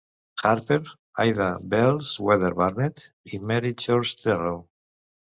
Harper, Ida Bell Wells-Barnett i Mary Church Terrell.